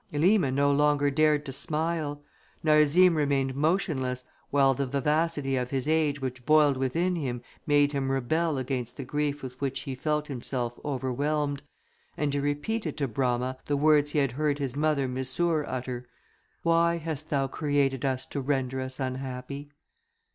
Elima no longer dared to smile; Narzim remained motionless, while the vivacity of his age which boiled within him made him rebel against the grief with which he felt himself overwhelmed, and he repeated to Brama the words he had heard his mother Missour utter, "Why hast thou created us to render us unhappy?"